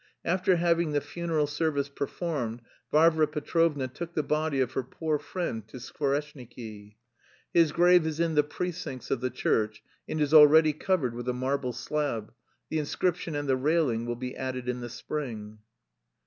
After having the funeral service performed, Varvara Petrovna took the body of her poor friend to Skvoreshniki. His grave is in the precincts of the church and is already covered with a marble slab. The inscription and the railing will be added in the spring.